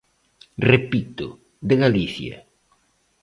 Repito, de Galicia.